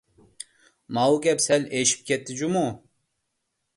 ماۋۇ گەپ سەل ئېشىپ كەتتى جۇمۇ!